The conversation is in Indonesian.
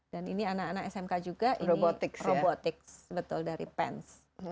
dan ini anak anak smk juga ini robotics betul dari pens